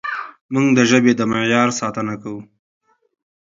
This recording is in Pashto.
موږ د ژبې د معیار ساتنه کوو.